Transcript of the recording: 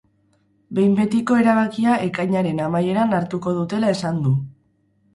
Behin betiko erabakia ekainaren amaieran hartuko dutela esan du.